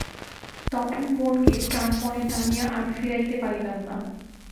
তখন মনকে প্রাণপণে টানিয়া আর ফিরাইতে পারিলাম না।